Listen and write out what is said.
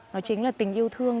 nó chính là tình yêu thương